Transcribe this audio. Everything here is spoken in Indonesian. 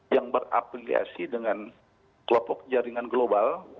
yang berafiliasi dengan kelompok jaringan global